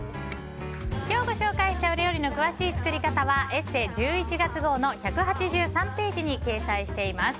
今日ご紹介した料理の詳しい作り方は「ＥＳＳＥ」１１月号の１８３ページに掲載しています。